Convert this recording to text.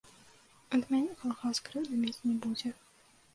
Ад мяне калгас крыўды мець не будзе.